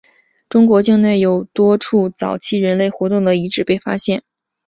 中国境内有多处早期人类活动的遗址被发现。